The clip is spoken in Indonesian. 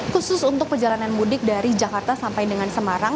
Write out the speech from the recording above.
khusus untuk perjalanan mudik dari jakarta sampai dengan semarang